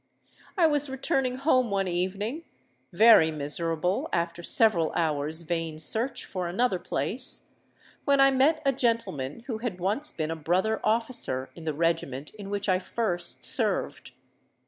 I was returning home, one evening,—very miserable after several hours' vain search for another place,—when I met a gentleman who had once been a brother officer in the regiment in which I first served.